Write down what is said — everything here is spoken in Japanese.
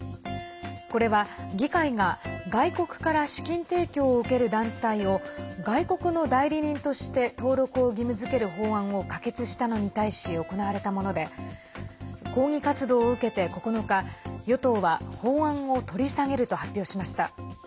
これは議会が外国から資金提供を受ける団体を外国の代理人として登録を義務づける法案を可決したのに対し行われたもので抗議活動を受けて９日与党は法案を取り下げると発表しました。